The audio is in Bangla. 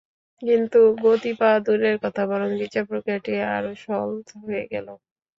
কিন্তু গতি পাওয়া দূরের কথা, বরং বিচার-প্রক্রিয়াটি আরও শ্লথ হয়ে গেল।